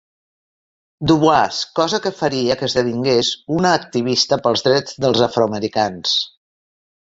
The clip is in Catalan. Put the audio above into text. Du Bois, cosa que faria que esdevingués una activista pels drets dels afroamericans.